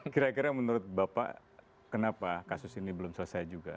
kira kira menurut bapak kenapa kasus ini belum selesai juga